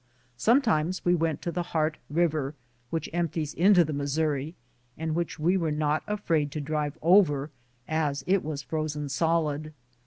Sometimes we went to the Hart River, which empties into the Mis souri, and which we were not afraid to drive over, as it was frozen solid.